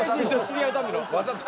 わざと？